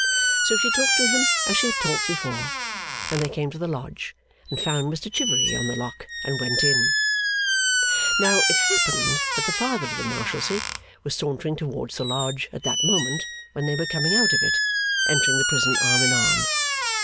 So she talked to him as she had talked before, and they came to the Lodge and found Mr Chivery on the lock, and went in. Now, it happened that the Father of the Marshalsea was sauntering towards the Lodge at the moment when they were coming out of it, entering the prison arm in arm.